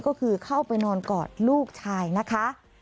ก็คือเข้าไปนอนกอดลูกชายนะคะ